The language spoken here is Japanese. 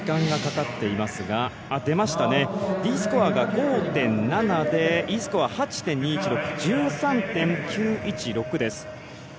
得点がＤスコアが５．７でＥスコア８．２１６。１３．９１６